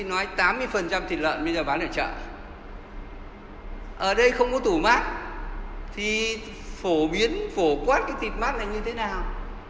ở đây không có tủ mát thì phổ biến phổ quát cái thịt mát này như thế nào